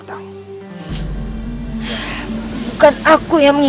tidak ada apa apa